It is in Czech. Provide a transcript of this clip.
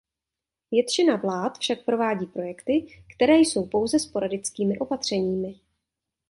Většina vlád však provádí projekty, které jsou pouze sporadickými opatřeními.